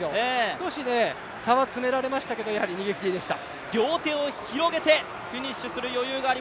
少し差は詰められましたけどやはり逃げ切りでした。